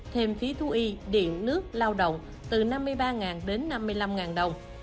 thêm phí thu y điện nước lao động từ năm mươi ba đến năm mươi năm đồng